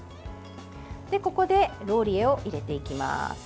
ここでローリエを入れていきます。